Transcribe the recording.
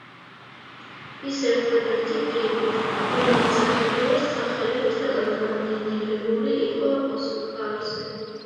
ის ერთადერთი ფილმია, რომელიც საქართველოს სახელით ნომინირებული იყო ოსკარზე.